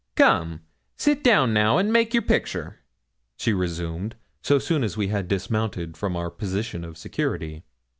'Come, sit down now, an' make your picture,' she resumed so soon as we had dismounted from our position of security.